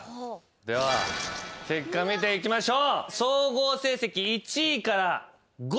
では結果見ていきましょう。